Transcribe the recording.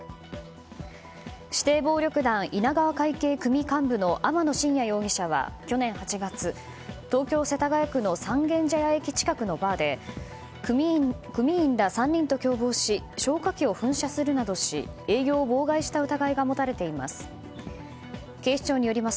指定暴力団稲川会系組幹部の天野信也容疑者は去年８月東京・世田谷区の三軒茶屋駅近くのバーで組員ら３人と共謀し消火器を噴射するなどし営業を妨害した疑いが持たれています。